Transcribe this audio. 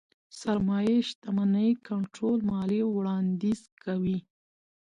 سرمايې شتمنۍ کنټرول ماليې وړانديز کوي.